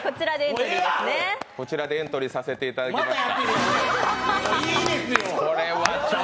こちらでエントリーさせていただきます。